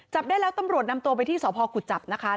จับได้แล้วตำรวจนำตัวไปที่สพกุจจับนะคะ